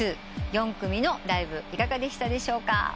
４組のライブいかがでしたでしょうか？